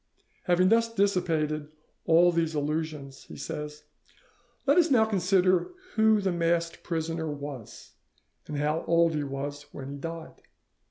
"Having thus dissipated all these illusions," he says, "let us now consider who the masked prisoner was, and how old he was when he died.